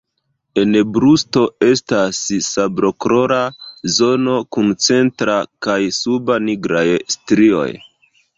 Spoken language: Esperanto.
En brusto estas sablokolora zono kun centra kaj suba nigraj strioj.